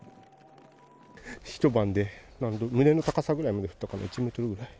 一晩で胸の高さぐらいまで降ったかな、１メートルぐらい。